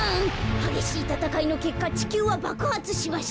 はげしいたたかいのけっかちきゅうはばくはつしました。